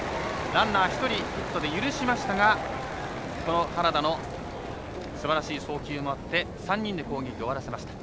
ランナー１人出しましたが原田のすばらしい送球もあって３人で攻撃を終わらせました。